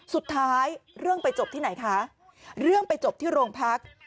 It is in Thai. สุดท้ายเรื่องไปจบที่ไหนคะเรื่องไปจบที่โรงพัก